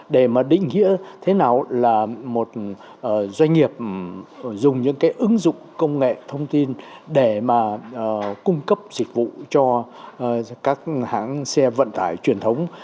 để mà định nghĩa thế nào là một doanh nghiệp dùng những cái ứng dụng công nghệ thông tin để mà cung cấp dịch vụ cho các hãng xe vận tải truyền thống